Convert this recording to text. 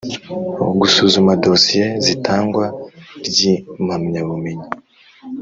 Gusuzuma dosiye z itangwa ry impamyabumenyi